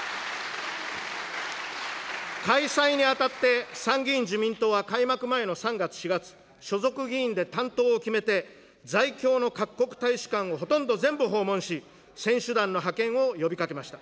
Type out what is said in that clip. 開催にあたって、参議院自民党はかいまくまえの３がつ、４月、所属議員で担当を決めて、在京の各国大使館をほとんど全部訪問し、選手団の派遣を呼びかけました。